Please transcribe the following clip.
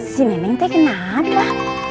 si neneng teh kenapa